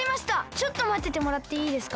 ちょっとまっててもらっていいですか？